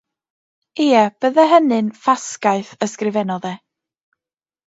“Ie, byddai hynny'n ffasgaeth,” ysgrifennodd e.